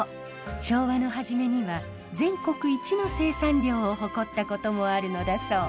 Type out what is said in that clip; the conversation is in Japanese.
昭和の初めには全国一の生産量を誇ったこともあるのだそう。